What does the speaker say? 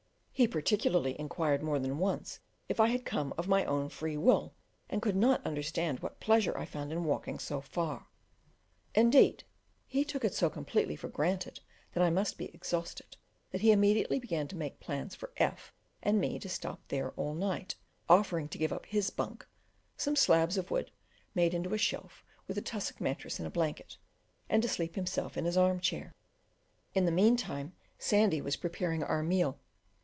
He particularly inquired more than once if I had come of my own free will, and could not understand what pleasure I found in walking so far. Indeed he took it so completely for granted that I must be exhausted, that he immediately began to make plans for F and me to stop there all night, offering to give up his "bunk" (some slabs of wood made into a shelf, with a tussock mattress and a blanket), and to sleep himself in his arm chair. In the meantime, Sandy was preparing our meal.